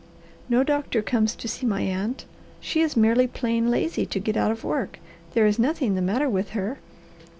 "No doctor comes to see my aunt. She is merely playing lazy to get out of work. There is nothing the matter with her."